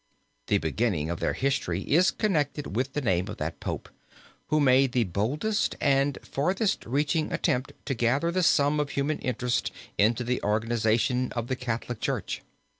The beginning of their history is connected with the name of that Pope, who made the boldest and farthest reaching attempt to gather the sum of human interest into the organization of the Catholic Church.